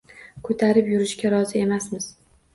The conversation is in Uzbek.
Ko’tarib yurishga rozi emasmiz!